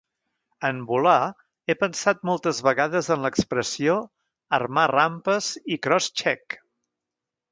En volar, he pensat moltes vegades en l'expressió "armar rampes i cross check".